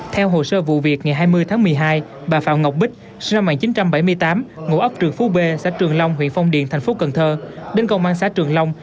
theo hồ sơ vụ việc ngày hai mươi tháng một mươi hai bà phạm ngọc bích sinh năm một nghìn chín trăm bảy mươi tám ngũ ấp trường phú bê xã trường long huyện phong điền tp cn đến công an xã trường long